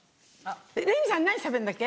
レミさん何しゃべるんだっけ？